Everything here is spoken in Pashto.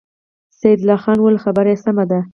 سيدال خان وويل: خبره يې سمه ده.